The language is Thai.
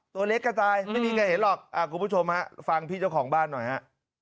ตัวเล็กกระจายไม่มีใครเห็นหรอกคุณผู้ชมฮะฟังพี่เจ้าของบ้านหน่อยฮะ